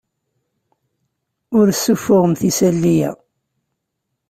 Ur ssuffuɣemt isali-a.